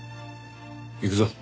行くぞ。